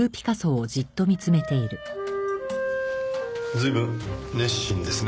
随分熱心ですね